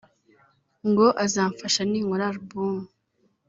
ngo azamfasha ninkora album